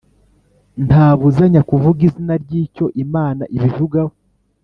Ntabuzanya kuvuga izina ry i icyo imana ibivugaho